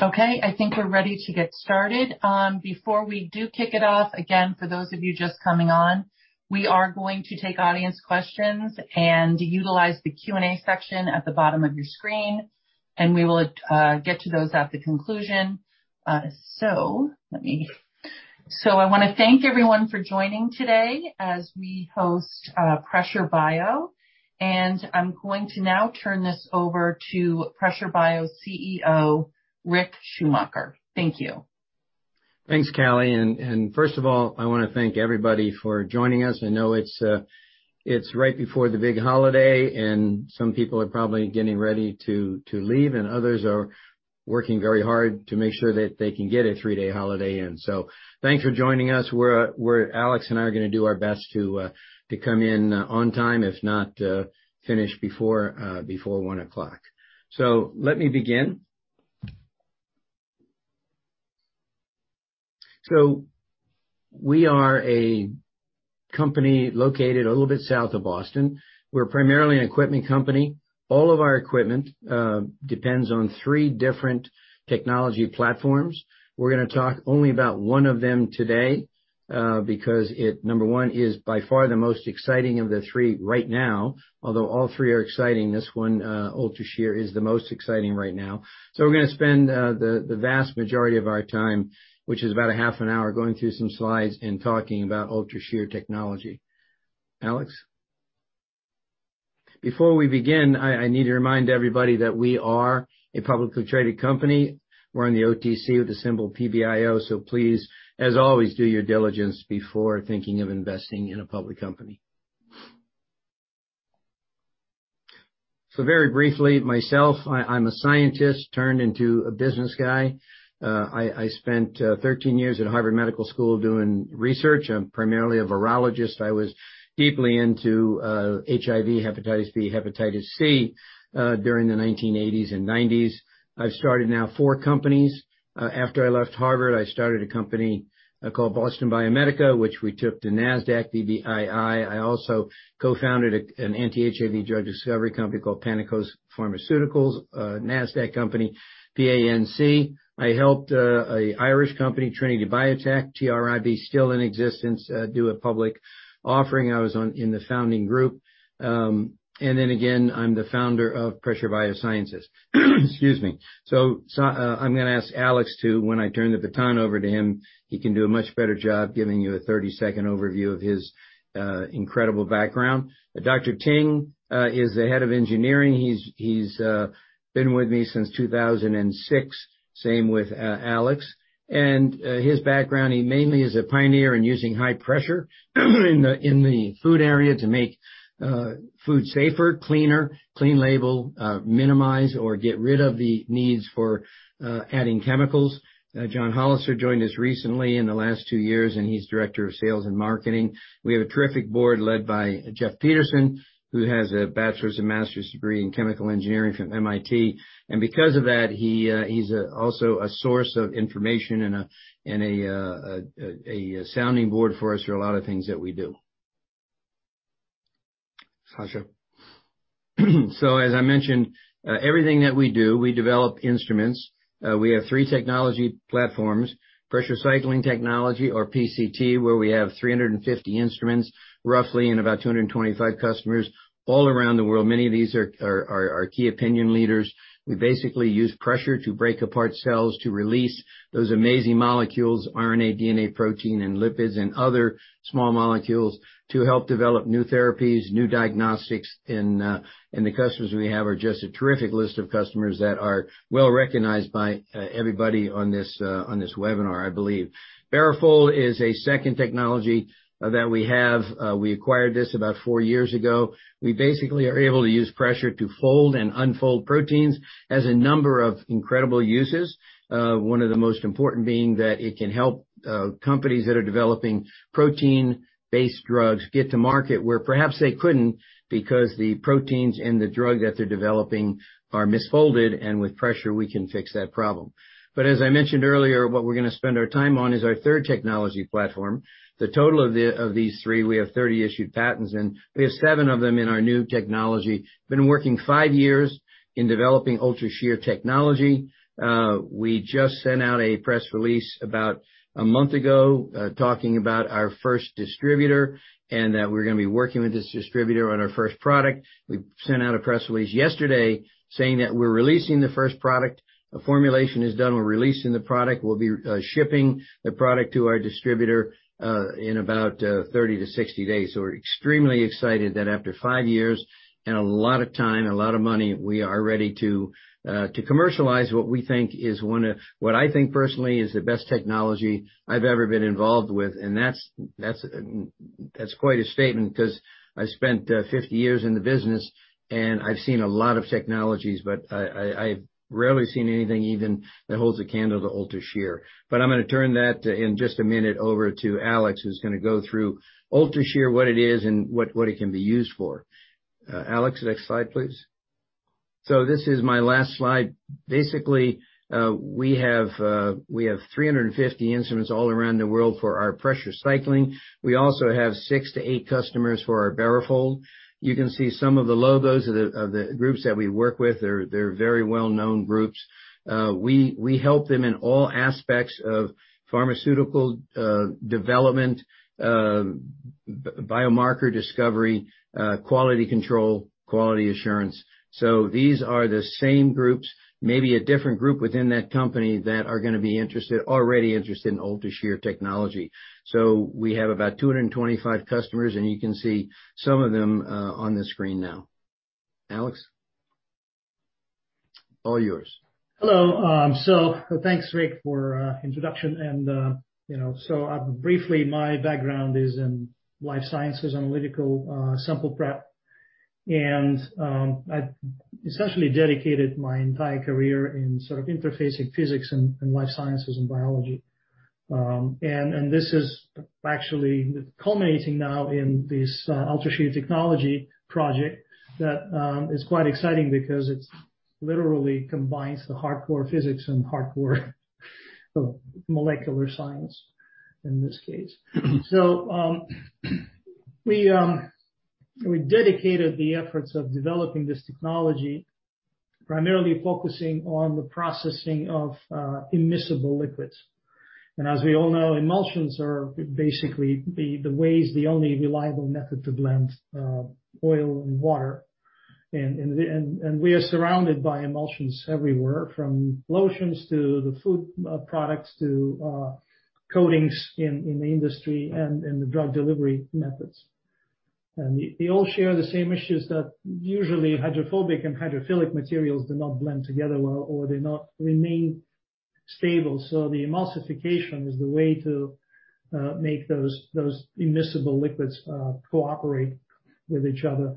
Okay, I think we're ready to get started. Before we do kick it off, again, for those of you just coming on, we are going to take audience questions and utilize the Q&A section at the bottom of your screen, and we will get to those at the conclusion. I wanna thank everyone for joining today as we host Pressure Bio. I'm going to now turn this over to Pressure Bio CEO, Rick Schumacher. Thank you. Thanks, Callie. First of all, I wanna thank everybody for joining us. I know it's right before the big holiday and some people are probably getting ready to leave, and others are working very hard to make sure that they can get a three-day holiday in. Thanks for joining us. Alex and I are gonna do our best to come in on time, if not finish before one o'clock. Let me begin. We are a company located a little bit south of Boston. We're primarily an equipment company. All of our equipment depends on three different technology platforms. We're gonna talk only about one of them today, because it, number one, is by far the most exciting of the three right now. Although all three are exciting, this one, Ultra Shear, is the most exciting right now. We're gonna spend the vast majority of our time, which is about a half hour, going through some slides and talking about Ultra Shear Technology. Alex. Before we begin, I need to remind everybody that we are a publicly traded company. We're on the OTC with the symbol PBIO, so please, as always, do due diligence before thinking of investing in a public company. Very briefly, myself, I'm a scientist turned into a business guy. I spent 13 years at Harvard Medical School doing research. I'm primarily a virologist. I was deeply into HIV, hepatitis B, hepatitis C during the 1980s and 1990s. I've started now four companies. After I left Harvard, I started a company called Boston Biomedica, which we took to NASDAQ, BBII. I also co-founded an anti-HIV drug discovery company called Panacos Pharmaceuticals, a NASDAQ company, PANC. I helped an Irish company, Trinity Biotech, TRIB, still in existence, do a public offering. I was in the founding group. I'm the founder of Pressure BioSciences. Excuse me. I'm gonna ask Alex to, when I turn the baton over to him, he can do a much better job giving you a 30-second overview of his incredible background. Dr. Ting is the Head of Engineering. He's been with me since 2006. Same with Alex. His background, he mainly is a pioneer in using high pressure in the food area to make food safer, cleaner, clean label, minimize or get rid of the needs for adding chemicals. John Hollister joined us recently in the last two years, and he's Director of Sales and Marketing. We have a terrific board led by Jeff Peterson, who has a bachelor's and master's degree in chemical engineering from MIT. Because of that, he is also a source of information and a sounding board for us for a lot of things that we do. Sasha. As I mentioned, everything that we do, we develop instruments. We have three technology platforms, Pressure Cycling Technology or PCT, where we have 350 instruments, roughly, and about 225 customers all around the world. Many of these are key opinion leaders. We basically use pressure to break apart cells to release those amazing molecules, RNA, DNA, protein, and lipids and other small molecules to help develop new therapies, new diagnostics. The customers we have are just a terrific list of customers that are well-recognized by everybody on this webinar, I believe. BaroFold is a second technology that we have. We acquired this about four years ago. We basically are able to use pressure to fold and unfold proteins for a number of incredible uses. One of the most important being that it can help companies that are developing protein-based drugs get to market where perhaps they couldn't because the proteins in the drug that they're developing are misfolded, and with pressure, we can fix that problem. As I mentioned earlier, what we're gonna spend our time on is our third technology platform. The total of these three, we have 30 issued patents, and we have seven of them in our new technology. Been working five years in developing Ultra Shear Technology. We just sent out a press release about a month ago talking about our first distributor and that we're gonna be working with this distributor on our first product. We sent out a press release yesterday saying that we're releasing the first product. The formulation is done. We're releasing the product. We'll be shipping the product to our distributor in about 30-60 days. We're extremely excited that after five years and a lot of time, a lot of money, we are ready to commercialize what I think personally is the best technology I've ever been involved with. That's quite a statement 'cause I spent 50 years in the business and I've seen a lot of technologies, but I've rarely seen anything even that holds a candle to Ultra Shear. I'm gonna turn it over to Alex in just a minute, who's gonna go through Ultra Shear, what it is, and what it can be used for. Alex, next slide, please. This is my last slide. Basically, we have 350 instruments all around the world for our pressure cycling. We also have six to eight customers for our BaroFold. You can see some of the logos of the groups that we work with. They're very well-known groups. We help them in all aspects of pharmaceutical development, biomarker discovery, quality control, quality assurance. These are the same groups, maybe a different group within that company, that are already interested in Ultra Shear Technology. We have about 225 customers, and you can see some of them on the screen now. Alex, all yours. Hello. Thanks, Rick, for introduction and you know. Briefly, my background is in life sciences, analytical sample prep. I essentially dedicated my entire career in sort of interfacing physics and life sciences and biology. This is actually culminating now in this Ultra Shear Technology project that is quite exciting because it literally combines the hardcore physics and hardcore molecular science in this case. We dedicated the efforts of developing this technology primarily focusing on the processing of immiscible liquids. As we all know, emulsions are basically the way is the only reliable method to blend oil and water. We are surrounded by emulsions everywhere, from lotions to the food products to coatings in the industry and in the drug delivery methods. They all share the same issues that usually hydrophobic and hydrophilic materials do not blend together well or do not remain stable. The emulsification is the way to make those immiscible liquids cooperate with each other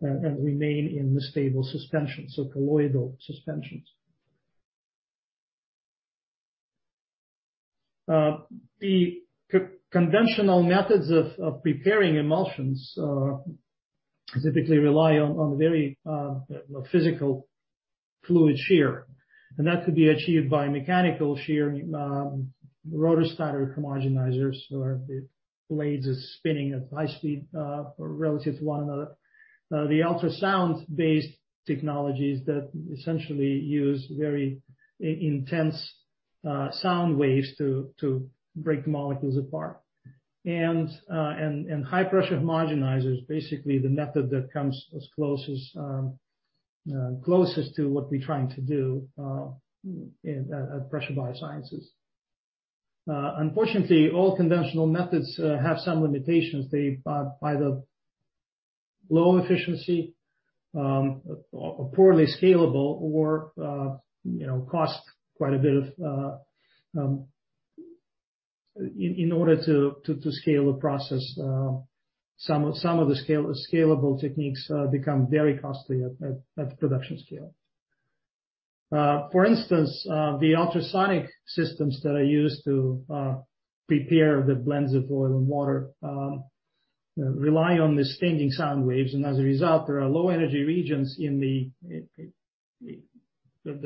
and remain in the stable suspension, so colloidal suspensions. The conventional methods of preparing emulsions typically rely on the very physical fluid shear, and that could be achieved by mechanical shear, rotor-stator homogenizers, where the blades are spinning at high speed relative to one another. The ultrasound-based technologies that essentially use very intense sound waves to break molecules apart. High-pressure homogenizer is basically the method that comes closest to what we're trying to do at Pressure BioSciences. Unfortunately, all conventional methods have some limitations. They've either low efficiency, poorly scalable or, you know, cost quite a bit of. In order to scale the process, some of the scalable techniques become very costly at production scale. For instance, the ultrasonic systems that are used to prepare the blends of oil and water rely on the standing sound waves, and as a result, there are low energy regions in the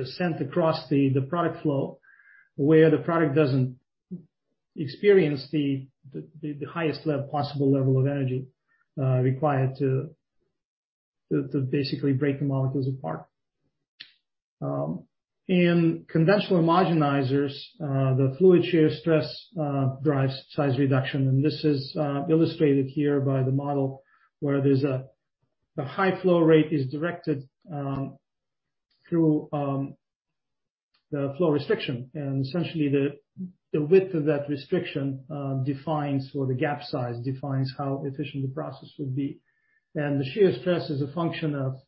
center across the product flow where the product doesn't experience the highest possible level of energy required to basically break the molecules apart. Conventional homogenizers, the fluid shear stress drives size reduction, and this is illustrated here by the model where the high flow rate is directed through the flow restriction. Essentially, the width of that restriction or the gap size defines how efficient the process would be. The shear stress is a function of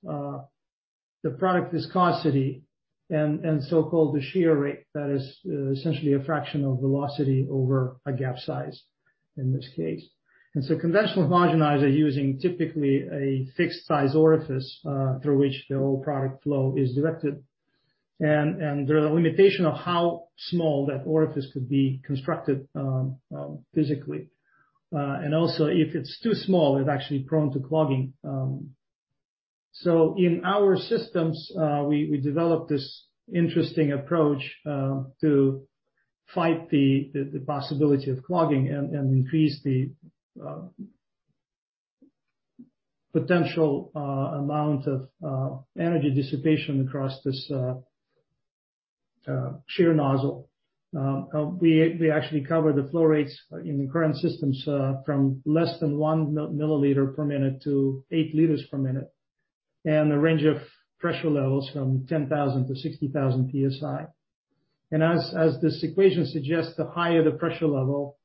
the product viscosity and the so-called shear rate. That is essentially a fraction of velocity over a gap size in this case. Conventional homogenizer using typically a fixed size orifice through which the whole product flow is directed. There are limitation of how small that orifice could be constructed physically. Also if it's too small, it's actually prone to clogging. In our systems, we developed this interesting approach to fight the possibility of clogging and increase the potential amount of energy dissipation across this shear nozzle. We actually cover the flow rates in the current systems from less than 1 mL per minute to 8 L per minute, and a range of pressure levels from 10,000-60,000 PSI. As this equation suggests, the higher the pressure level,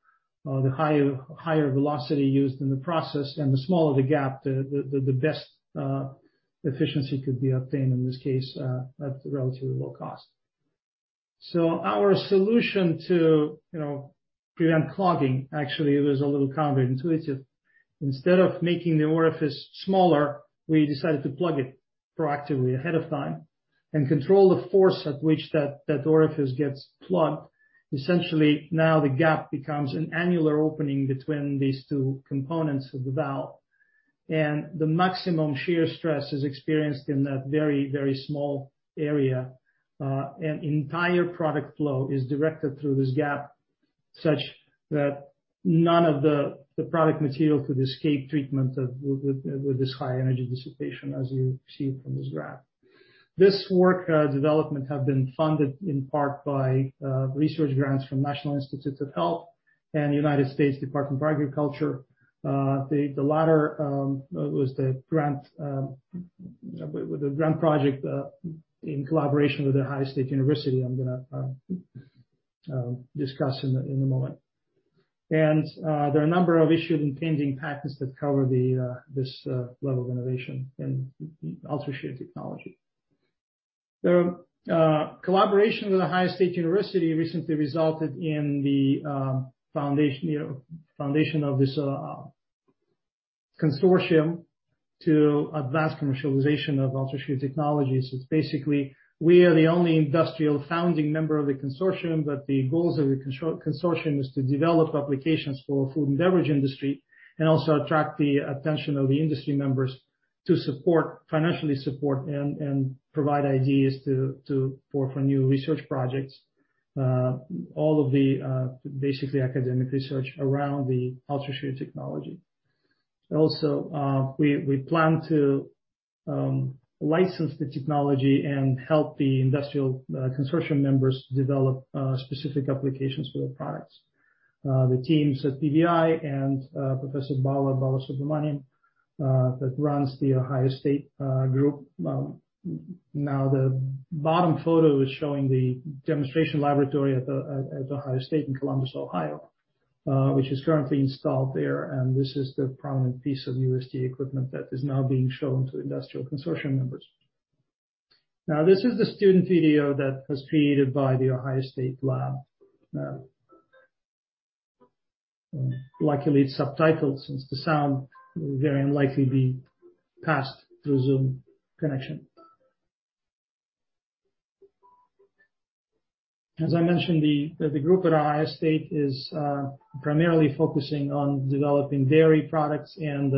the higher velocity used in the process and the smaller the gap, the best efficiency could be obtained, in this case, at relatively low cost. Our solution to, you know, prevent clogging, actually, it was a little counterintuitive. Instead of making the orifice smaller, we decided to plug it proactively ahead of time. Control the force at which that orifice gets plugged. Essentially now the gap becomes an annular opening between these two components of the valve. The maximum shear stress is experienced in that very, very small area. An entire product flow is directed through this gap such that none of the product material could escape treatment with this high energy dissipation, as you see from this graph. This work development have been funded in part by research grants from National Institutes of Health and United States Department of Agriculture. The latter was the grant with the grant project in collaboration with The Ohio State University. I'm gonna discuss in a moment. There are a number of issued and pending patents that cover this level of innovation in Ultra Shear Technology. The collaboration with The Ohio State University recently resulted in the foundation, you know, of this consortium to advance commercialization of Ultra Shear technologies. It's basically we are the only industrial founding member of the consortium, but the goals of the consortium is to develop applications for food and beverage industry, and also attract the attention of the industry members to financially support and provide ideas for new research projects. All of the basically academic research around the Ultra Shear Technology. We plan to license the technology and help the industrial consortium members develop specific applications for their products. The teams at PBI and Professor Balasubramaniam that runs the Ohio State group. Now the bottom photo is showing the demonstration laboratory at the Ohio State in Columbus, Ohio, which is currently installed there, and this is the prominent piece of UST equipment that is now being shown to industrial consortium members. Now, this is the student video that was created by the Ohio State lab. Luckily it's subtitled since the sound will very unlikely be passed through Zoom connection. As I mentioned, the group at Ohio State is primarily focusing on developing dairy products and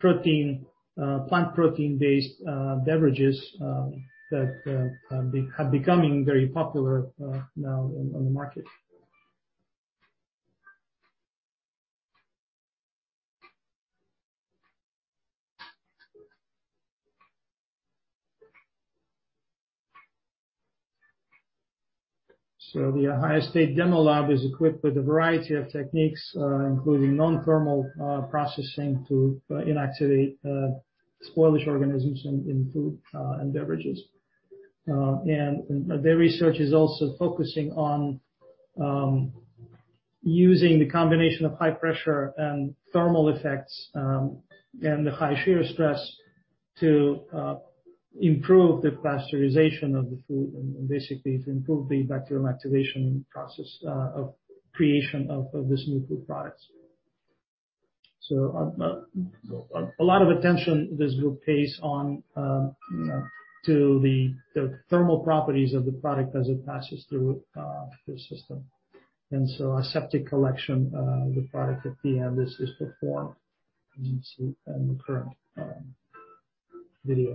plant protein-based beverages that are becoming very popular now on the market. The Ohio State demo lab is equipped with a variety of techniques, including non-thermal processing to inactivate spoilage organisms in food and beverages. Their research is also focusing on using the combination of high pressure and thermal effects and the high shear stress to improve the pasteurization of the food and basically to improve the bacterial inactivation process of creation of these new food products. A lot of attention this group pays on to the thermal properties of the product as it passes through the system. Aseptic collection of the product at the end is performed, as you can see in the current video.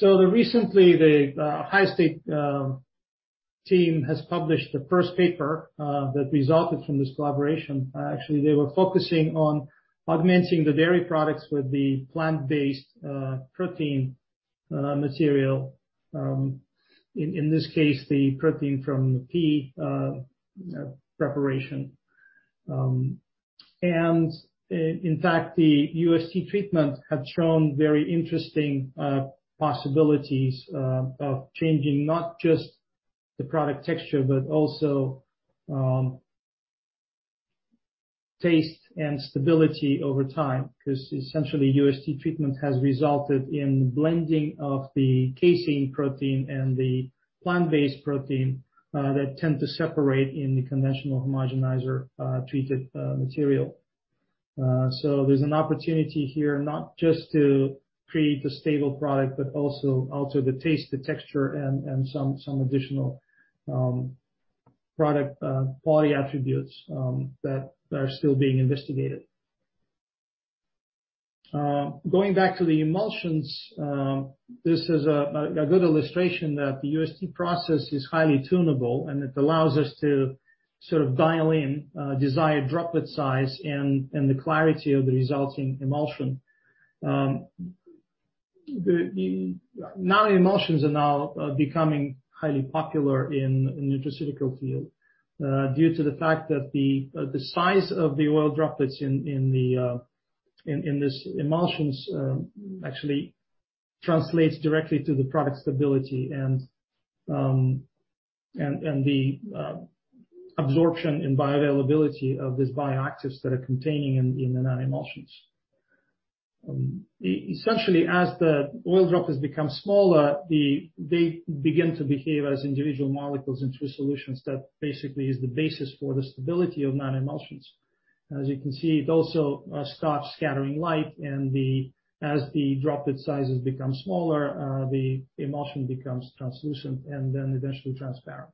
Recently, the Ohio State team has published the first paper that resulted from this collaboration. Actually they were focusing on augmenting the dairy products with the plant-based protein material. In this case, the protein from pea preparation. In fact, the UST treatment had shown very interesting possibilities of changing not just the product texture, but also taste and stability over time. Because essentially UST treatment has resulted in blending of the casein protein and the plant-based protein that tend to separate in the conventional homogenizer treated material. There's an opportunity here not just to create a stable product, but also alter the taste, the texture and some additional product quality attributes that are still being investigated. Going back to the emulsions, this is a good illustration that the UST process is highly tunable, and it allows us to sort of dial in desired droplet size and the clarity of the resulting emulsion. The nanoemulsions are now becoming highly popular in the nutraceutical field due to the fact that the size of the oil droplets in these emulsions actually translates directly to the product stability and the absorption and bioavailability of these bioactives that are containing in the nanoemulsions. Essentially, as the oil drop has become smaller, they begin to behave as individual molecules in two solutions. That basically is the basis for the stability of nanoemulsions. As you can see, it also stops scattering light as the droplet sizes become smaller, the emulsion becomes translucent and then eventually transparent.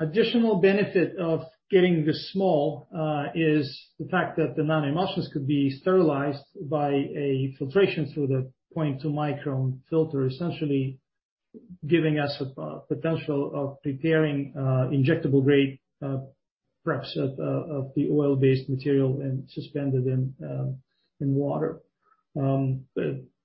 Additional benefit of getting this small is the fact that the nanoemulsions could be sterilized by a filtration through the 0.2 micron filter, essentially giving us a potential of preparing injectable grade preps of the oil-based material and suspended in water.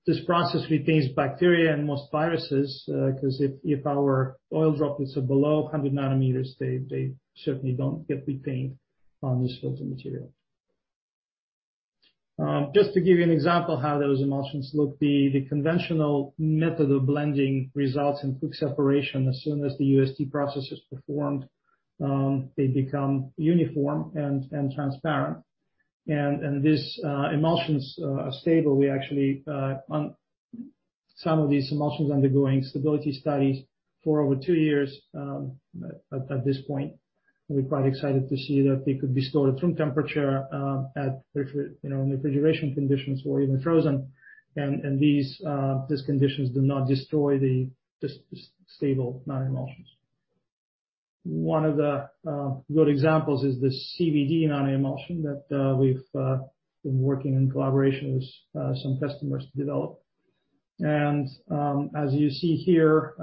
This process retains bacteria and most viruses 'cause if our oil droplets are below 100 nm, they certainly don't get retained on this filter material. Just to give you an example how those emulsions look, the conventional method of blending results in quick separation. As soon as the UST process is performed, they become uniform and transparent. These emulsions are stable. We actually on some of these emulsions undergoing stability studies for over two years at this point. We're quite excited to see that they could be stored at room temperature you know in refrigeration conditions or even frozen. These conditions do not destroy the stable nanoemulsions. One of the good examples is the CBD nanoemulsion that we've been working in collaboration with some customers to develop. As you see here,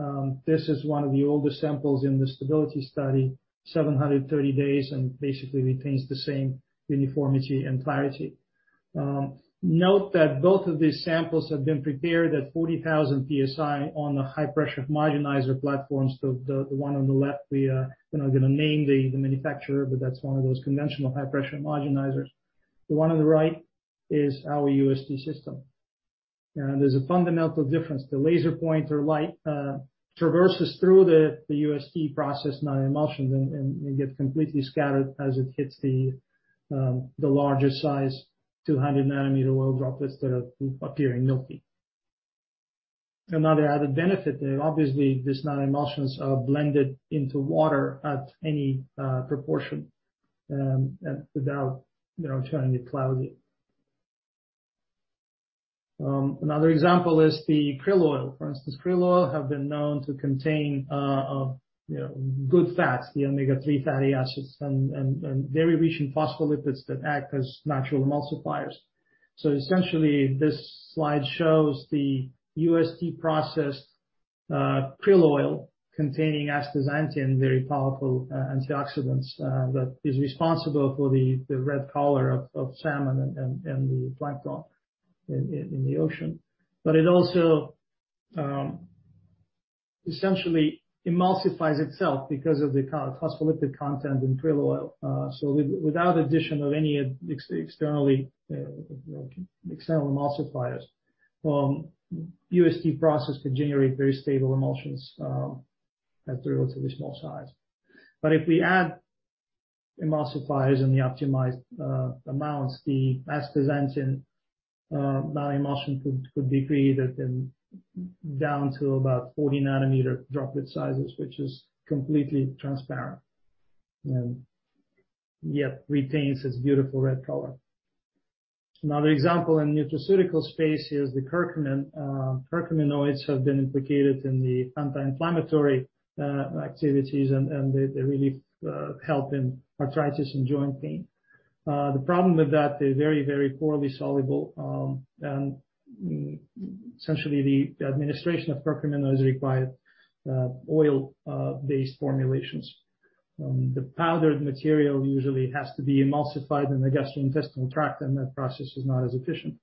this is one of the oldest samples in the stability study, 730 days, and basically retains the same uniformity and clarity. Note that both of these samples have been prepared at 40,000 PSI on high-pressure homogenizer platforms. The one on the left, we're not gonna name the manufacturer, but that's one of those conventional high pressure homogenizers. The one on the right is our UST system. There's a fundamental difference. The laser pointer light traverses through the UST process nanoemulsion and gets completely scattered as it hits the larger size, 200 nanometer oil droplets that are appearing milky. Another added benefit there, obviously, these nanoemulsions are blended into water at any proportion without you know turning it cloudy. Another example is the krill oil. For instance, krill oil have been known to contain you know good fats, the omega-3 fatty acids and very rich in phospholipids that act as natural emulsifiers. Essentially, this slide shows the UST processed krill oil containing astaxanthin, very powerful antioxidants that is responsible for the red color of salmon and the plankton in the ocean. It also essentially emulsifies itself because of the phospholipid content in krill oil. Without addition of any externally, you know, external emulsifiers, UST process can generate very stable emulsions at the relatively small size. If we add emulsifiers in the optimized amounts, the astaxanthin nanoemulsion could be created in down to about 40 nm droplet sizes, which is completely transparent, and yet retains its beautiful red color. Another example in nutraceutical space is the curcumin. Curcuminoids have been implicated in the anti-inflammatory activities, and they really help in arthritis and joint pain. The problem with that, they're very, very poorly soluble, and essentially the administration of curcumin always require, oil-based formulations. The powdered material usually has to be emulsified in the gastrointestinal tract, and that process is not as efficient.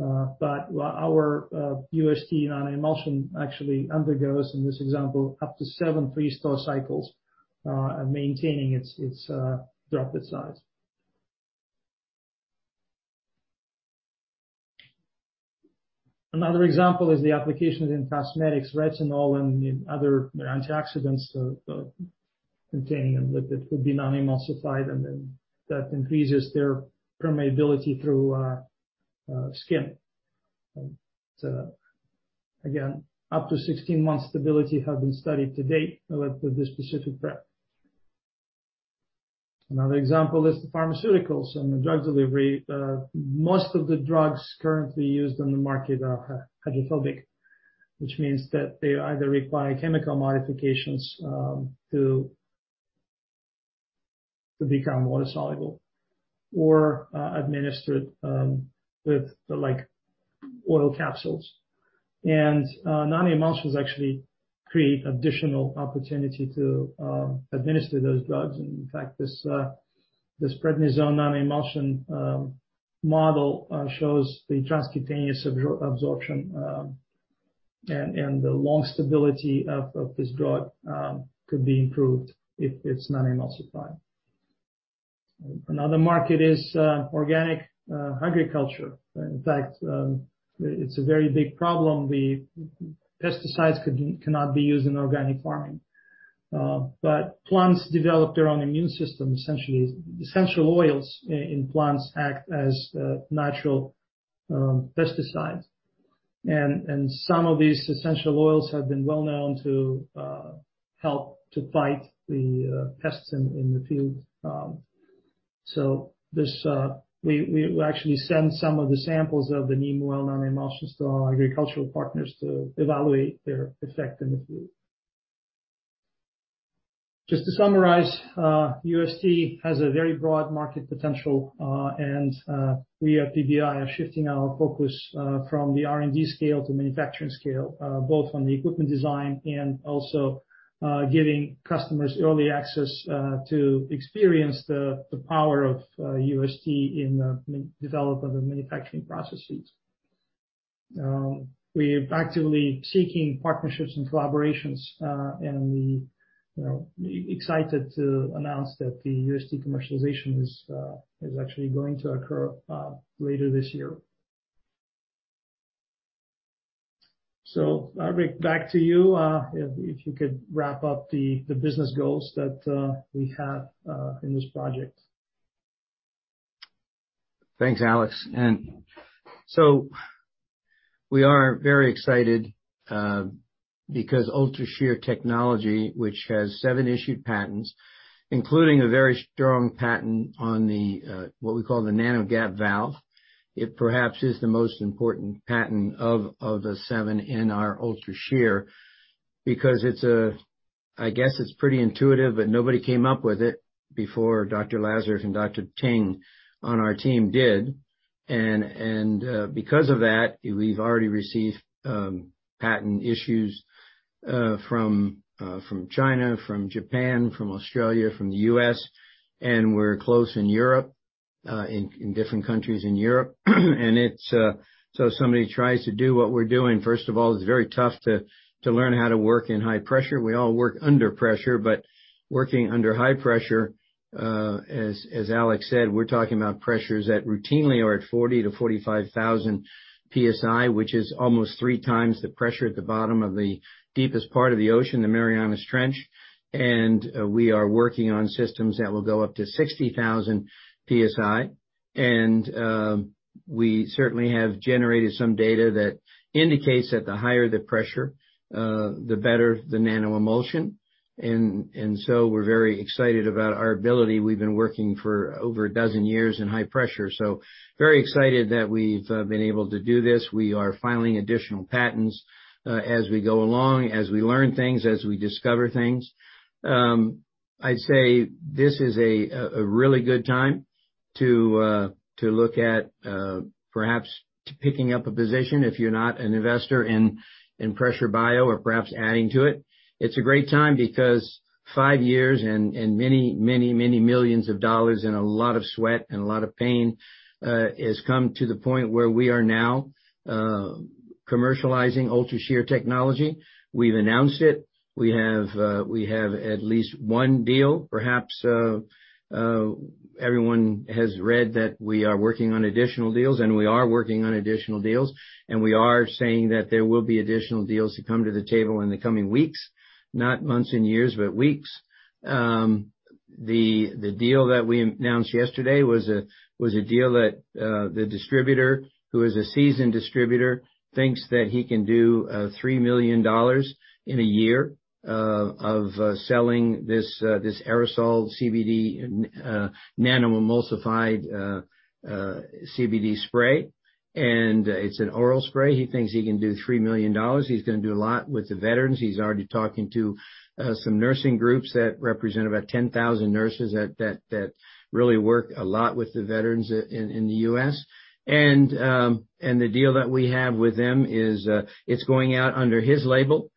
Our UST nanoemulsion actually undergoes, in this example, up to seven freeze-thaw cycles, maintaining its droplet size. Another example is the applications in cosmetics, retinol and the other antioxidants contained in liquid could be nanoemulsified, and then that increases their permeability through skin. Again, up to 16 months stability have been studied to date with this specific prep. Another example is the pharmaceuticals and the drug delivery. Most of the drugs currently used on the market are hydrophobic, which means that they either require chemical modifications to become water-soluble or administered with the like oil capsules. Nanoemulsions actually create additional opportunity to administer those drugs. In fact, this prednisone nanoemulsion model shows the transcutaneous absorption and the long stability of this drug could be improved if it's nanoemulsified. Another market is organic agriculture. In fact, it's a very big problem. The pesticides cannot be used in organic farming. Plants develop their own immune system, essentially. Essential oils in plants act as natural pesticides. Some of these essential oils have been well known to help to fight the pests in the field. We actually send some of the samples of the neem oil nanoemulsions to our agricultural partners to evaluate their effect in the field. Just to summarize, UST has a very broad market potential. We at PBI are shifting our focus from the R&D scale to manufacturing scale, both on the equipment design and also giving customers early access to experience the power of UST in the development of manufacturing processes. We are actively seeking partnerships and collaborations, and we, you know, excited to announce that the UST commercialization is actually going to occur later this year. Rick, back to you. If you could wrap up the business goals that we have in this project. Thanks, Alex. We are very excited because Ultra Shear Technology, which has seven issued patents, including a very strong patent on the what we call the nano-gap valve. It perhaps is the most important patent of the seven in our Ultra Shear because it's a. I guess it's pretty intuitive, but nobody came up with it before Dr. Lazarev and Dr. Ting on our team did. Because of that, we've already received patent issuances from China, from Japan, from Australia, from the U.S., and we're close in Europe, in different countries in Europe. It's so if somebody tries to do what we're doing, first of all, it's very tough to learn how to work in high pressure. We all work under pressure, but working under high pressure, as Alex said, we're talking about pressures that routinely are at 40,000-45,000 PSI, which is almost three times the pressure at the bottom of the deepest part of the ocean, the Mariana's Trench. We are working on systems that will go up to 60,000 PSI. We certainly have generated some data that indicates that the higher the pressure, the better the nanoemulsion. We're very excited about our ability. We've been working for over a dozen years in high pressure, so very excited that we've been able to do this. We are filing additional patents, as we go along, as we learn things, as we discover things. I'd say this is a really good time to look at perhaps picking up a position if you're not an investor in Pressure Bio or perhaps adding to it. It's a great time because five years and many millions of dollars and a lot of sweat and a lot of pain has come to the point where we are now commercializing Ultra Shear Technology. We've announced it. We have at least one deal. Perhaps everyone has read that we are working on additional deals. We are saying that there will be additional deals to come to the table in the coming weeks, not months and years, but weeks. The deal that we announced yesterday was a deal that the distributor, who is a seasoned distributor, thinks that he can do $3 million in a year of selling this aerosol CBD nanoemulsified CBD spray. It's an oral spray. He thinks he can do $3 million. He's gonna do a lot with the veterans. He's already talking to some nursing groups that represent about 10,000 nurses that really work a lot with the veterans in the U.S. The deal that we have with him is it's going out under his label.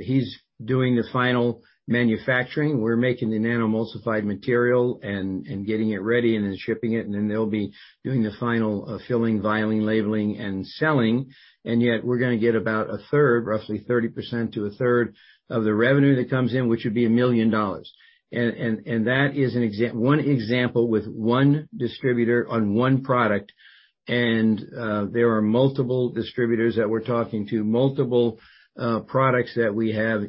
He's doing the final manufacturing. We're making the nanoemulsified material and getting it ready and then shipping it, and then they'll be doing the final filling, vialing, labeling, and selling. Yet we're gonna get about a third, roughly 30% to a third, of the revenue that comes in, which would be $1 million. That is one example with one distributor on one product. There are multiple distributors that we're talking to, multiple products that we have.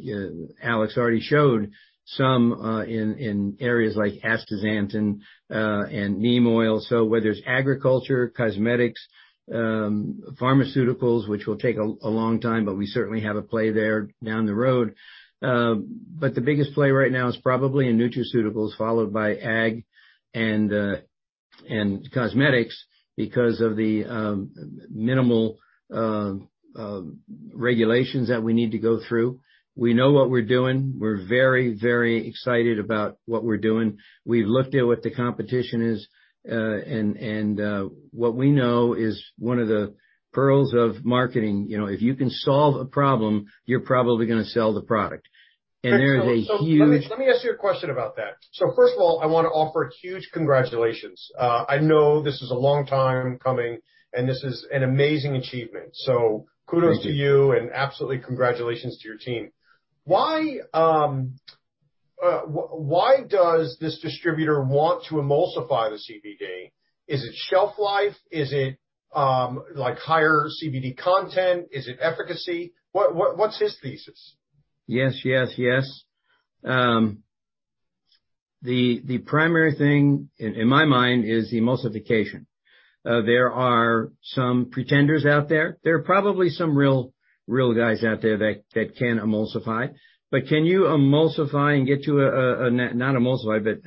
Alex already showed some in areas like astaxanthin and neem oil. Whether it's agriculture, cosmetics, pharmaceuticals, which will take a long time, but we certainly have a play there down the road. The biggest play right now is probably in nutraceuticals, followed by ag and cosmetics because of the minimal regulations that we need to go through. We know what we're doing. We're very, very excited about what we're doing. We've looked at what the competition is, and what we know is one of the pearls of marketing. You know, if you can solve a problem, you're probably gonna sell the product. There is a huge- Let me ask you a question about that. First of all, I wanna offer a huge congratulations. I know this is a long time coming, and this is an amazing achievement. Kudos to you. Thank you. Absolutely congratulations to your team. Why does this distributor want to emulsify the CBD? Is it shelf life? Is it like higher CBD content? Is it efficacy? What's his thesis? Yes, yes. The primary thing in my mind is the emulsification. There are some pretenders out there. There are probably some real guys out there that can emulsify. But can you emulsify and get to not emulsify, but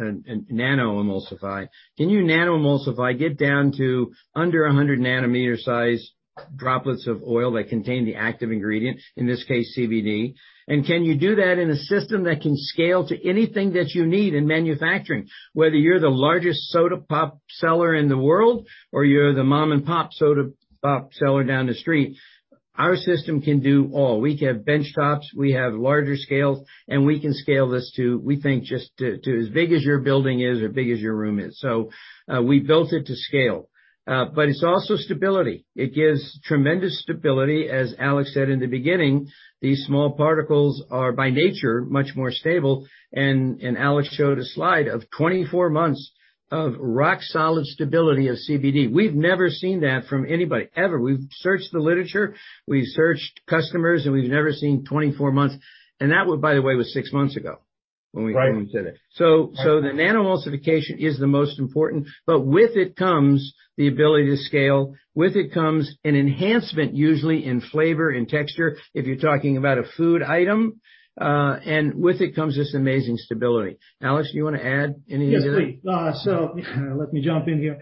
nano-emulsify? Can you nano-emulsify, get down to under 100 nm size droplets of oil that contain the active ingredient, in this case, CBD? Can you do that in a system that can scale to anything that you need in manufacturing, whether you're the largest soda pop seller in the world, or you're the mom and pop soda pop seller down the street? Our system can do all. We have bench tops, we have larger scales, and we can scale this to, we think, just to as big as your building is or as big as your room is. We built it to scale. It's also stability. It gives tremendous stability. As Alex said in the beginning, these small particles are by nature much more stable, and Alex showed a slide of 24 months of rock solid stability of CBD. We've never seen that from anybody, ever. We've searched the literature, we've searched customers, and we've never seen 24 months. That was, by the way, six months ago when we Right. when we did it. The nano-emulsification is the most important, but with it comes the ability to scale, with it comes an enhancement, usually in flavor and texture, if you're talking about a food item, and with it comes this amazing stability. Alex, you wanna add anything to that? Yes, please. Let me jump in here.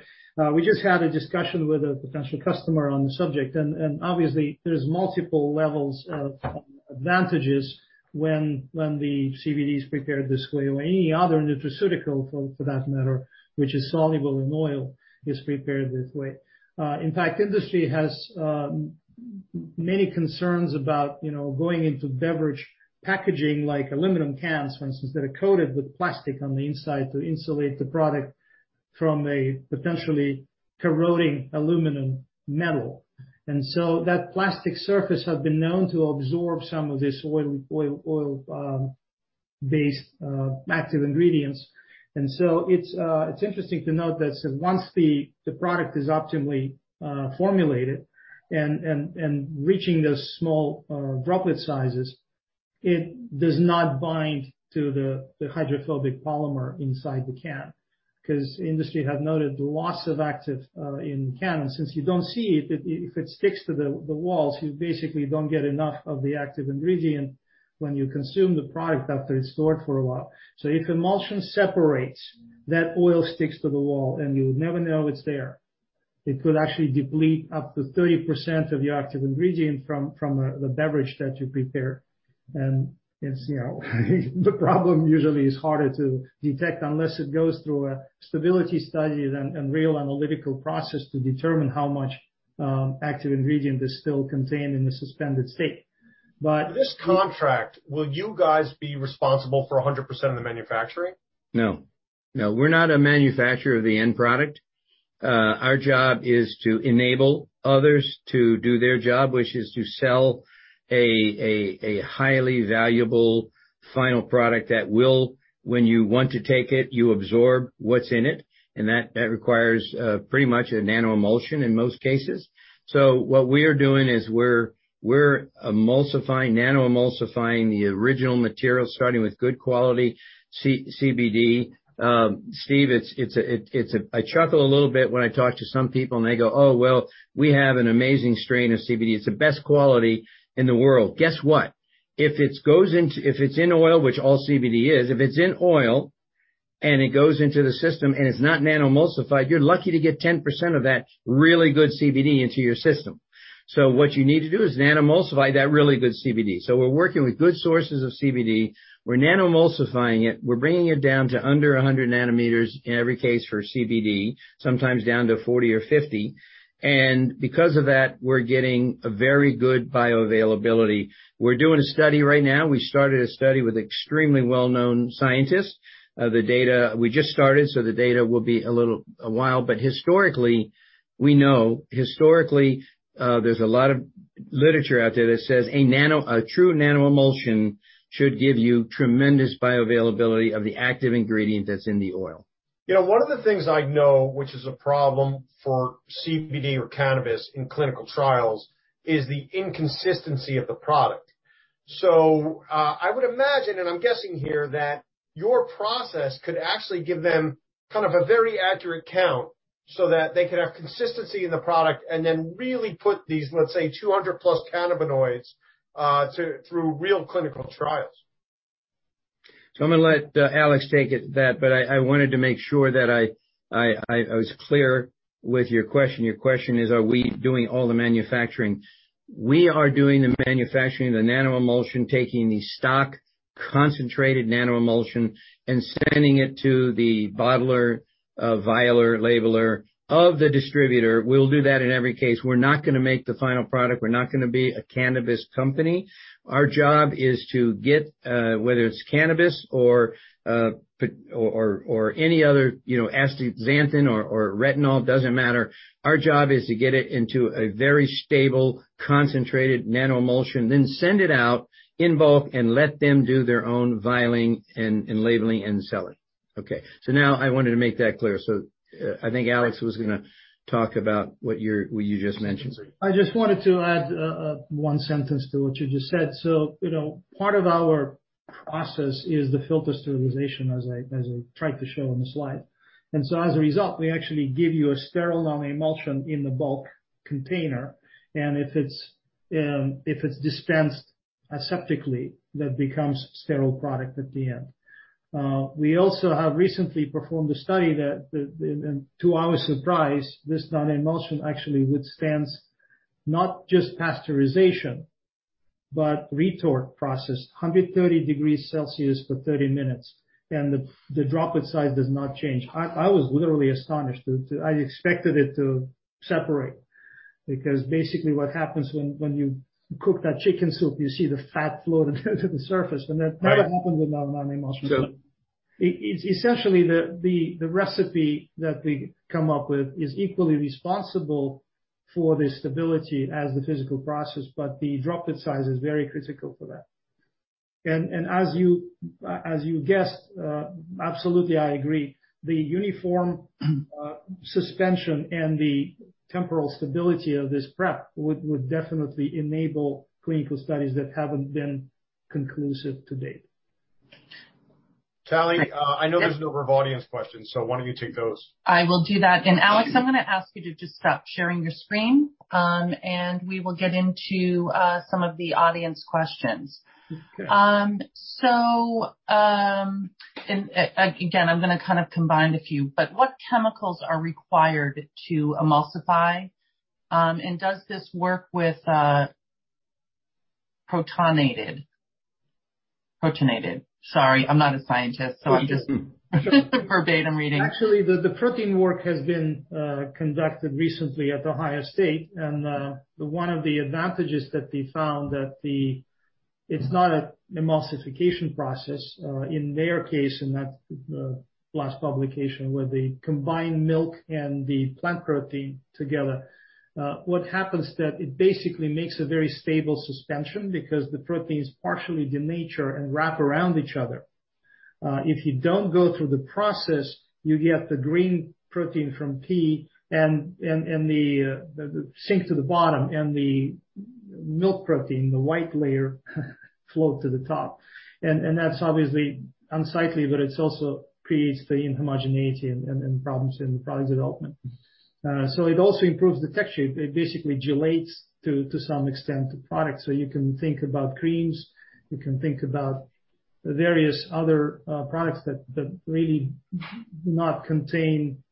We just had a discussion with a potential customer on the subject and obviously there's multiple levels of advantages when the CBD is prepared this way or any other nutraceutical for that matter, which is soluble in oil is prepared this way. In fact, industry has many concerns about, you know, going into beverage packaging like aluminum cans, for instance, that are coated with plastic on the inside to insulate the product from a potentially corroding aluminum metal. That plastic surface has been known to absorb some of this oil based active ingredients. It's interesting to note that once the product is optimally formulated and reaching those small droplet sizes, it does not bind to the hydrophobic polymer inside the can because industry had noted the loss of active in cans. Since you don't see it, if it sticks to the walls, you basically don't get enough of the active ingredient when you consume the product after it's stored for a while. If emulsion separates, that oil sticks to the wall and you would never know it's there. It could actually deplete up to 30% of the active ingredient from the beverage that you prepare. It's, you know, the problem usually is harder to detect unless it goes through a stability study and real analytical process to determine how much active ingredient is still contained in the suspended state. This contract, will you guys be responsible for 100% of the manufacturing? No. No, we're not a manufacturer of the end product. Our job is to enable others to do their job, which is to sell a highly valuable final product that will, when you want to take it, you absorb what's in it, and that requires pretty much a nanoemulsion in most cases. What we are doing is we're emulsifying, nanoemulsifying the original material, starting with good quality CBD. Steve, it's a... I chuckle a little bit when I talk to some people, and they go, "Oh, well, we have an amazing strain of CBD. It's the best quality in the world." Guess what? If it's in oil, which all CBD is, if it's in oil and it goes into the system and it's not nanoemulsified, you're lucky to get 10% of that really good CBD into your system. What you need to do is nanoemulsify that really good CBD. We're working with good sources of CBD. We're nanoemulsifying it. We're bringing it down to under 100 nm in every case for CBD, sometimes down to 40 or 50. Because of that, we're getting a very good bioavailability. We're doing a study right now. We started a study with extremely well-known scientists. We just started, so the data will be a little while. Historically, we know there's a lot of literature out there that says a true nanoemulsion should give you tremendous bioavailability of the active ingredient that's in the oil. You know, one of the things I know, which is a problem for CBD or cannabis in clinical trials, is the inconsistency of the product. I would imagine, and I'm guessing here, that your process could actually give them kind of a very accurate count so that they could have consistency in the product and then really put these, let's say, 200+ cannabinoids, through real clinical trials. I'm gonna let Alex take it that, but I wanted to make sure that I was clear with your question. Your question is, are we doing all the manufacturing? We are doing the manufacturing, the nanoemulsion, taking the stock concentrated nanoemulsion and sending it to the bottler, vialer, labeler of the distributor. We'll do that in every case. We're not gonna make the final product. We're not gonna be a cannabis company. Our job is to get whether it's cannabis or or any other, you know, astaxanthin or retinol, doesn't matter. Our job is to get it into a very stable, concentrated nanoemulsion, then send it out in bulk and let them do their own vialing and labeling and selling. Okay. Now I wanted to make that clear. I think Alex was gonna talk about what you just mentioned. I just wanted to add one sentence to what you just said. You know, part of our process is the filter sterilization, as I tried to show on the slide. As a result, we actually give you a sterile nanoemulsion in the bulk container. If it's dispensed aseptically, that becomes sterile product at the end. We also have recently performed a study that to our surprise, this nanoemulsion actually withstands not just pasteurization, but retort process. 130 degrees Celsius for 30 minutes, and the droplet size does not change. I was literally astonished. I expected it to separate, because basically what happens when you cook that chicken soup, you see the fat float to the surface. Right. that never happened with our nanoemulsion. So- It's essentially the recipe that we come up with is equally responsible for the stability as the physical process, but the droplet size is very critical for that. As you guessed, absolutely, I agree. The uniform suspension and the temporal stability of this prep would definitely enable clinical studies that haven't been conclusive to date. Callie, I know there's a number of audience questions, so why don't you take those? I will do that. Alex, I'm gonna ask you to just stop sharing your screen, and we will get into some of the audience questions. Okay. Again, I'm gonna kind of combine a few. What chemicals are required to emulsify? Does this work with protonated? Sorry, I'm not a scientist. No, you do. I'm just verbatim reading. Actually, the protein work has been conducted recently at Ohio State, and one of the advantages that they found that it's not an emulsification process in their case in that last publication where they combined milk and the plant protein together. What happens that it basically makes a very stable suspension because the protein is partially denature and wrap around each other. If you don't go through the process, you get the green protein from pea sink to the bottom, and the milk protein, the white layer, float to the top. That's obviously unsightly, but it also creates the inhomogeneity and problems in the product development. It also improves the texture. It basically gelates to some extent the product. You can think about creams. You can think about various other products that really not contain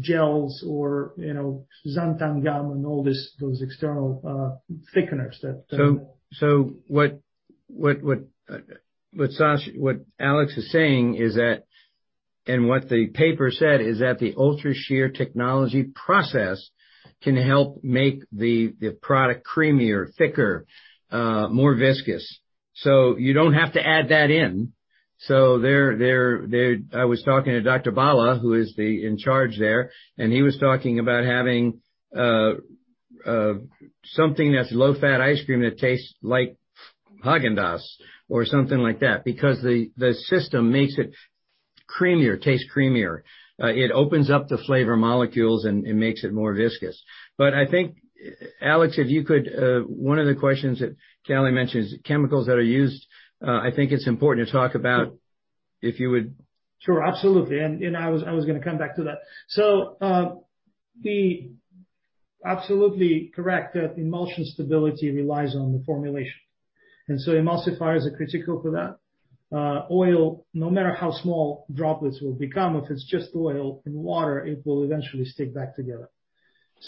gels or, you know, xanthan gum and all this, those external thickeners that. What Alex is saying is that, and what the paper said is that the Ultra Shear Technology process can help make the product creamier, thicker, more viscous. You don't have to add that in. I was talking to Dr. Bala, who is in charge there, and he was talking about having something that's low-fat ice cream that tastes like Häagen-Dazs or something like that, because the system makes it creamier, tastes creamier. It opens up the flavor molecules and it makes it more viscous. I think, Alex, if you could, one of the questions that Callie mentions, chemicals that are used, I think it's important to talk about, if you would. Sure, absolutely. I was gonna come back to that. Absolutely correct that emulsion stability relies on the formulation, and so emulsifier is critical for that. Oil, no matter how small droplets will become, if it's just oil and water, it will eventually stick back together.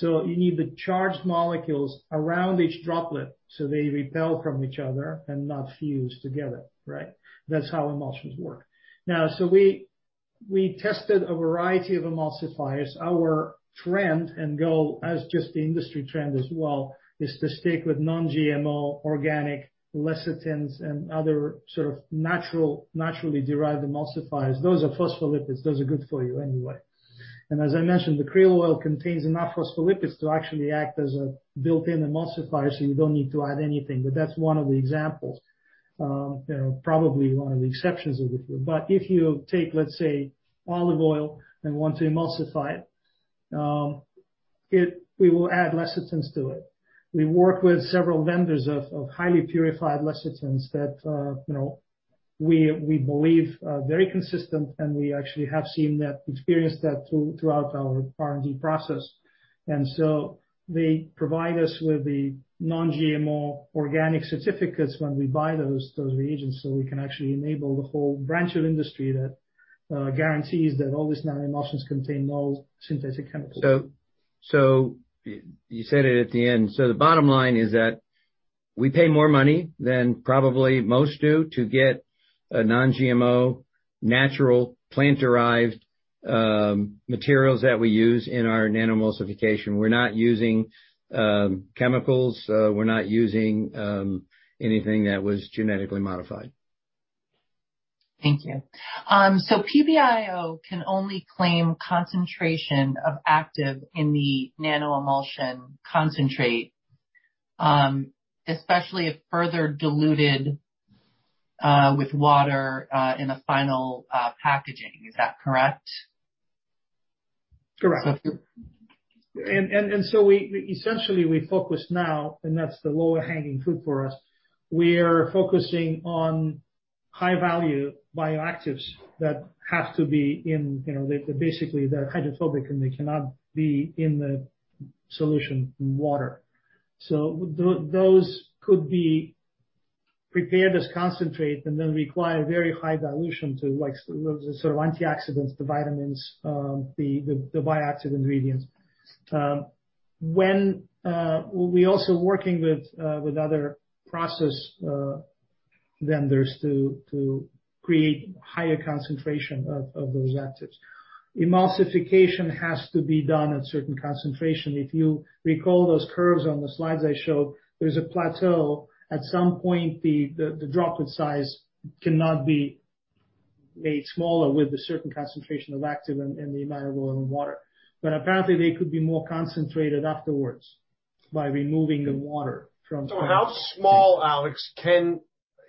You need the charged molecules around each droplet, so they repel from each other and not fuse together, right? That's how emulsions work. Now, we tested a variety of emulsifiers. Our trend and goal, as is the industry trend as well, is to stick with non-GMO, organic lecithins and other sort of natural, naturally derived emulsifiers. Those are phospholipids. Those are good for you anyway. As I mentioned, the krill oil contains enough phospholipids to actually act as a built-in emulsifier, so you don't need to add anything. That's one of the examples, you know, probably one of the exceptions of the rule. If you take, let's say, olive oil and want to emulsify it, we will add lecithins to it. We work with several vendors of highly purified lecithins that, you know, we believe are very consistent, and we actually have seen that, experienced that throughout our R&D process. They provide us with the non-GMO organic certificates when we buy those reagents, so we can actually enable the whole branch of industry that guarantees that all these nanoemulsions contain no synthetic chemicals. You said it at the end. The bottom line is that we pay more money than probably most do to get a non-GMO, natural, plant-derived materials that we use in our nanoemulsification. We're not using chemicals. We're not using anything that was genetically modified. Thank you. PBIO can only claim concentration of active in the nanoemulsion concentrate, especially if further diluted with water in a final packaging. Is that correct? Correct. So- we essentially focus now, and that's the lower hanging fruit for us. We're focusing on high value bioactives that have to be in, you know, basically, they're hydrophobic and they cannot be in the solution in water. those could be prepared as concentrate and then require very high dilution to like, sort of antioxidants, the vitamins, the bioactive ingredients. when we also working with other processing vendors to create higher concentration of those actives. Emulsification has to be done at certain concentration. If you recall those curves on the slides I showed, there's a plateau. At some point, the droplet size cannot be made smaller with a certain concentration of active and the amount of oil and water. apparently, they could be more concentrated afterwards by removing the water from. How small, Alex,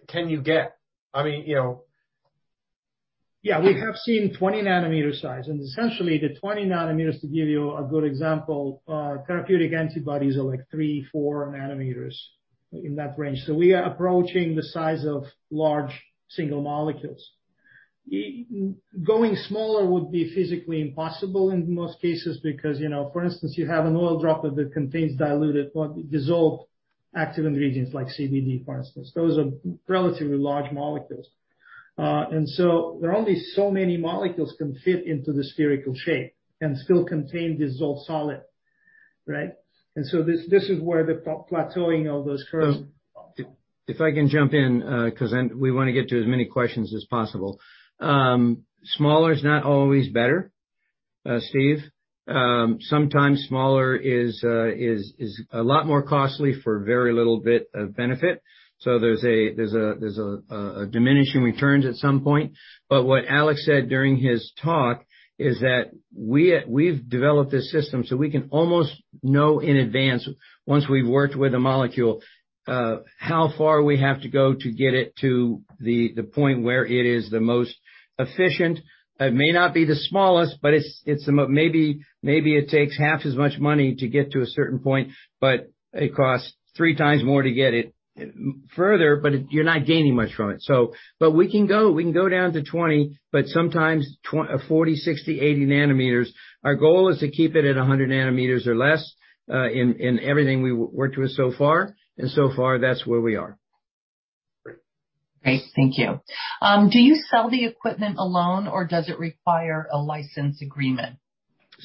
can you get? I mean, you know. Yeah, we have seen 20 nm size, and essentially the 20 nm, to give you a good example, therapeutic antibodies are like 3, 4 nm in that range. We are approaching the size of large single molecules. Going smaller would be physically impossible in most cases because, you know, for instance, you have an oil droplet that contains diluted but dissolved active ingredients like CBD, for instance. Those are relatively large molecules. There are only so many molecules can fit into the spherical shape and still contain dissolved solid, right? This is where the plateauing of those curves. If I can jump in, 'cause then we want to get to as many questions as possible. Smaller is not always better, Steve. Sometimes smaller is a lot more costly for very little bit of benefit. There's a diminishing returns at some point. What Alex said during his talk is that we've developed this system so we can almost know in advance, once we've worked with a molecule, how far we have to go to get it to the point where it is the most efficient. It may not be the smallest, but it's maybe it takes half as much money to get to a certain point, but it costs three times more to get it further, but you're not gaining much from it. We can go down to 20, but sometimes 40, 60, 80 nm. Our goal is to keep it at 100 nm or less, in everything we worked with so far. So far, that's where we are. Great. Thank you. Do you sell the equipment alone or does it require a license agreement?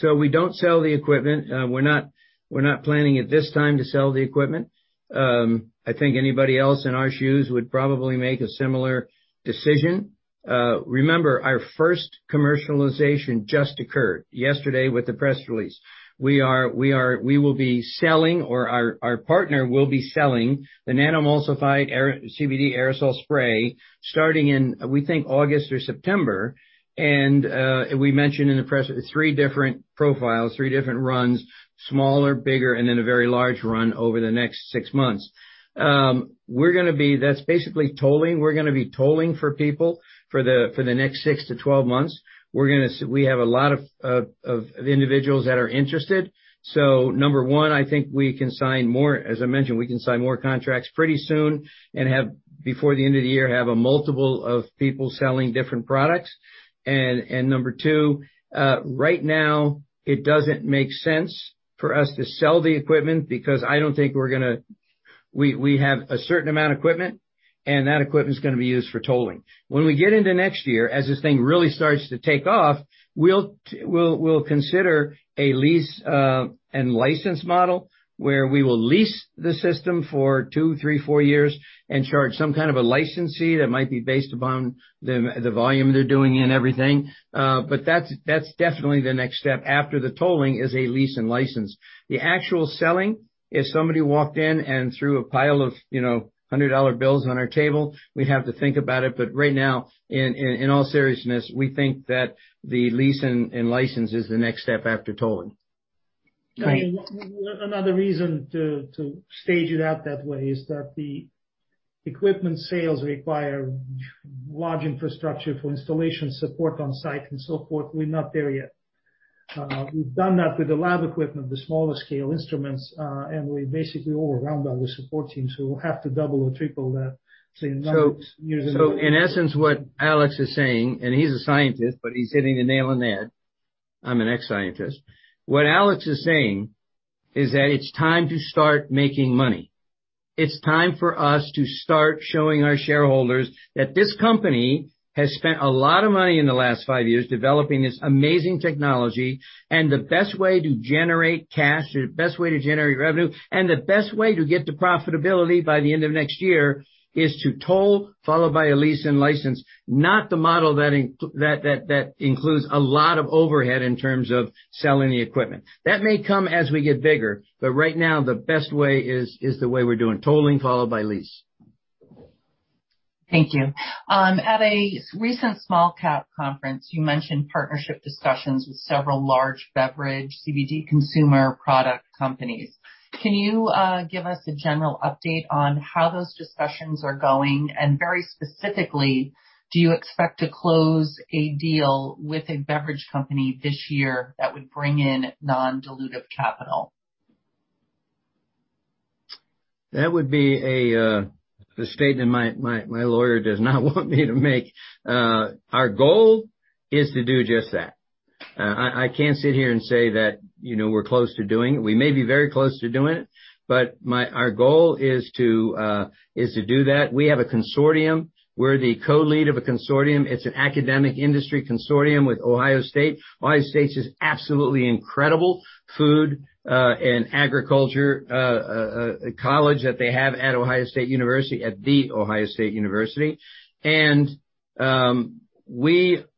We don't sell the equipment. We're not planning at this time to sell the equipment. I think anybody else in our shoes would probably make a similar decision. Remember, our first commercialization just occurred yesterday with the press release. We will be selling, or our partner will be selling the nanoemulsified CBD aerosol spray starting in, we think, August or September. We mentioned in the press three different profiles, three different runs, smaller, bigger, and then a very large run over the next six months. That's basically tolling. We're going to be tolling for people for the next six-12 months. We have a lot of individuals that are interested. Number one, I think we can sign more, as I mentioned, we can sign more contracts pretty soon and have before the end of the year a multiple of people selling different products. Number two, right now it doesn't make sense for us to sell the equipment because we have a certain amount of equipment, and that equipment is gonna be used for tolling. When we get into next year, as this thing really starts to take off, we'll consider a lease and license model where we will lease the system for two, three, four years and charge some kind of a licensee that might be based upon the volume they're doing and everything. But that's definitely the next step after the tolling is a lease and license. The actual selling, if somebody walked in and threw a pile of, you know, $100 bills on our table, we'd have to think about it. Right now, in all seriousness, we think that the lease and license is the next step after tolling. Great. Another reason to stage it out that way is that the equipment sales require large infrastructure for installation support on site and so forth. We're not there yet. We've done that with the lab equipment, the smaller scale instruments, and we basically overwhelmed our support team, so we'll have to double or triple that. In essence, what Alex is saying, and he's a scientist, but he's hitting the nail on the head. I'm an ex-scientist. What Alex is saying is that it's time to start making money. It's time for us to start showing our shareholders that this company has spent a lot of money in the last five years developing this amazing technology. The best way to generate cash, the best way to generate revenue, and the best way to get to profitability by the end of next year is to toll, followed by a lease and license, not the model that includes a lot of overhead in terms of selling the equipment. That may come as we get bigger, but right now, the best way is the way we're doing, tolling followed by lease. Thank you. At a recent small-cap conference, you mentioned partnership discussions with several large beverage CBD consumer product companies. Can you give us a general update on how those discussions are going? Very specifically, do you expect to close a deal with a beverage company this year that would bring in non-dilutive capital? That would be a statement my lawyer does not want me to make. Our goal is to do just that. I can't sit here and say that, you know, we're close to doing it. We may be very close to doing it, but our goal is to do that. We have a consortium. We're the co-lead of a consortium. It's an academic industry consortium with Ohio State. Ohio State's just absolutely incredible food and agriculture college that they have at The Ohio State University, at The Ohio State University. We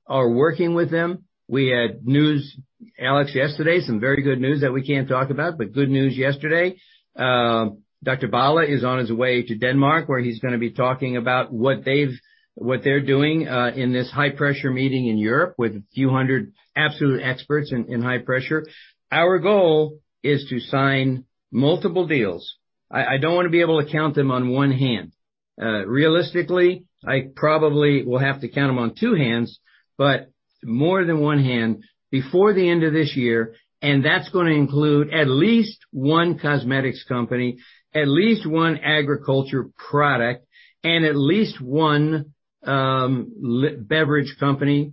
are working with them. We had news, Alex, yesterday, some very good news that we can't talk about, but good news yesterday. Dr. Bala is on his way to Denmark, where he's gonna be talking about what they're doing in this high-pressure meeting in Europe with a few hundred absolute experts in high pressure. Our goal is to sign multiple deals. I don't wanna be able to count them on one hand. Realistically, I probably will have to count them on two hands, but more than one hand, before the end of this year, and that's gonna include at least one cosmetics company, at least one agriculture product, and at least one beverage company.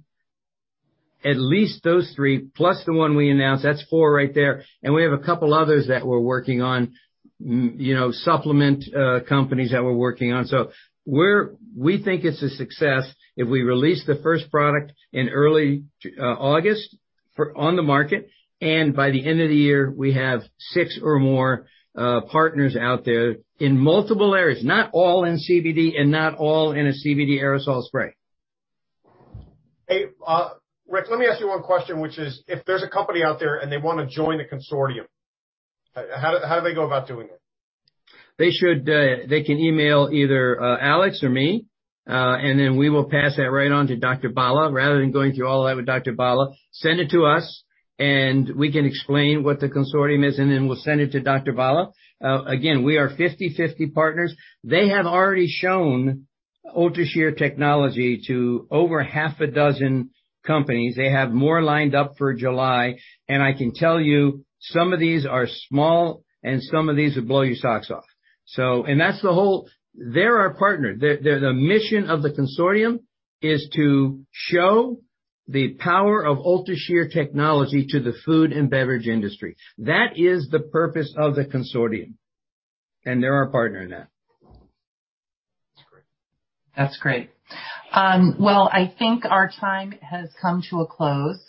At least those three, plus the one we announced, that's four right there, and we have a couple others that we're working on, you know, supplement companies that we're working on. We think it's a success if we release the first product in early August on the market, and by the end of the year, we have six or more partners out there in multiple areas, not all in CBD and not all in a CBD aerosol spray. Hey, Rick, let me ask you one question, which is, if there's a company out there and they wanna join the consortium, how do they go about doing it? They should, they can email either Alex or me, and then we will pass that right on to Dr. Bala. Rather than going through all of that with Dr. Bala, send it to us, and we can explain what the consortium is, and then we'll send it to Dr. Bala. Again, we are 50/50 partners. They have already shown Ultra Shear Technology to over half a dozen companies. They have more lined up for July, and I can tell you, some of these are small, and some of these will blow your socks off. They're our partner. The mission of the consortium is to show the power of Ultra Shear Technology to the food and beverage industry. That is the purpose of the consortium, and they're our partner in that. That's great. That's great. Well, I think our time has come to a close.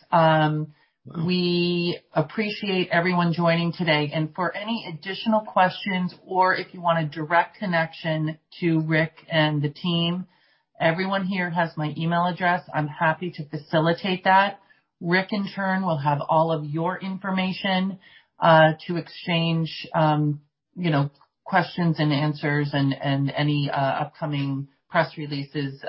We appreciate everyone joining today. For any additional questions or if you want a direct connection to Rick and the team, everyone here has my email address. I'm happy to facilitate that. Rick, in turn, will have all of your information to exchange, you know, questions and answers and any upcoming press releases.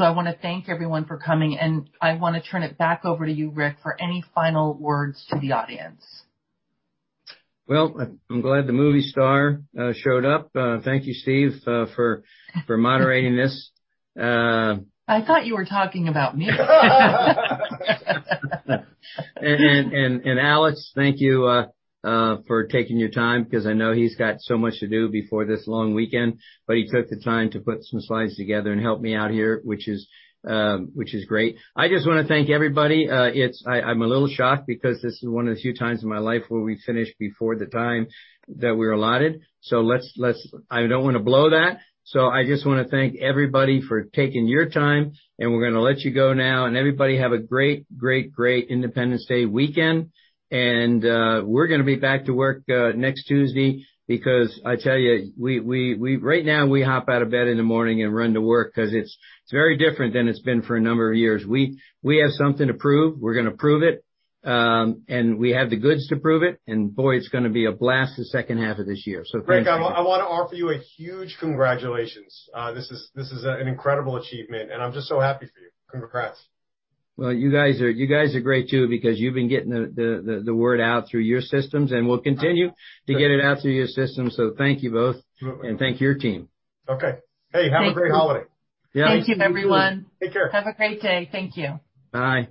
I wanna thank everyone for coming, and I wanna turn it back over to you, Rick, for any final words to the audience. Well, I'm glad the movie star showed up. Thank you, Steve, for moderating this. I thought you were talking about me. Alex, thank you for taking your time, 'cause I know he's got so much to do before this long weekend, but he took the time to put some slides together and help me out here, which is great. I just wanna thank everybody. I'm a little shocked because this is one of the few times in my life where we finished before the time that we were allotted. Let's I don't wanna blow that. I just wanna thank everybody for taking your time, and we're gonna let you go now. Everybody have a great Independence Day weekend. We're gonna be back to work next Tuesday because I tell you, we. Right now, we hop out of bed in the morning and run to work 'cause it's very different than it's been for a number of years. We have something to prove. We're gonna prove it. We have the goods to prove it. Boy, it's gonna be a blast the second half of this year. Thank you. Rick, I wanna offer you a huge congratulations. This is an incredible achievement, and I'm just so happy for you. Congrats. Well, you guys are great too because you've been getting the word out through your systems, and we'll continue to get it out through your system. Thank you both. Absolutely. Thank your team. Okay. Hey, have a great holiday. Thank you. Thank you, everyone. Take care. Have a great day. Thank you. Bye.